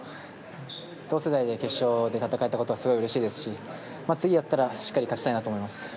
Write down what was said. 同世代で決勝で戦えたことはすごいうれしいですし次やったらしっかり勝ちたいなと思います。